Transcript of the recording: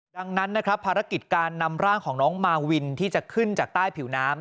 ดังนั้นนะครับภารกิจการนำร่างของน้องมาวินที่จะขึ้นจากใต้ผิวน้ำ